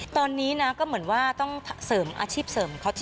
ตอนนี้นะก็เหมือนว่าต้องเสริมอาชีพเสริมเขาจริง